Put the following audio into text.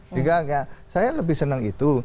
sehingga saya lebih senang itu